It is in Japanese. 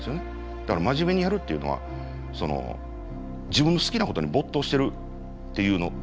だから真面目にやるっていうのは自分の好きなことに没頭してるっていうの。